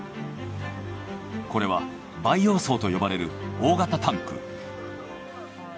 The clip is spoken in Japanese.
これは培養槽と呼ばれる大型タンク。